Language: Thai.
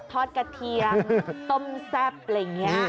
ทอดกระเทียมต้มแซ่บอะไรอย่างนี้